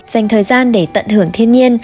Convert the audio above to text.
dành thời gian để tận hưởng thiên nhiên